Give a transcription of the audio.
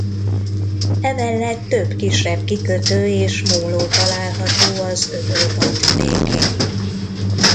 Emellett több kisebb kikötő és móló található az öböl partvidékén.